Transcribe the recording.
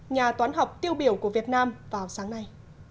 nhà toán học tiêu biểu của việt nam vào sáng nay